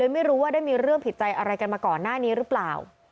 ไม่รู้ว่าได้มีเรื่องผิดใจอะไรกันมาก่อนหน้านี้หรือเปล่า